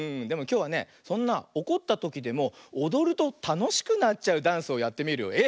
でもきょうはねそんなおこったときでもおどるとたのしくなっちゃうダンスをやってみるよ。